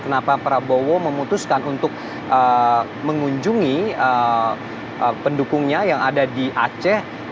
kenapa prabowo memutuskan untuk mengunjungi pendukungnya yang ada di aceh